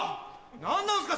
何なんすか！